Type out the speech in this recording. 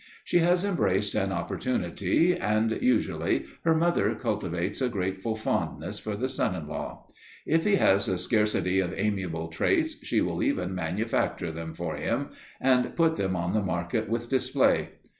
She has embraced an opportunity and usually her mother cultivates a grateful fondness for the son in law. If he has a scarcity of amiable traits she will even manufacture them for him, and put them on the market with display.